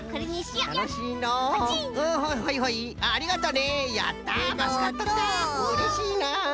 うれしいな。